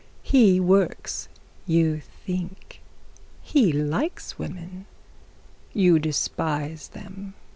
He works, you think. He likes women, you despise them.